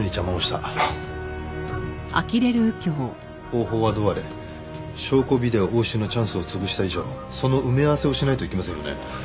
方法はどうあれ証拠ビデオ押収のチャンスを潰した以上その埋め合わせをしないといけませんよね？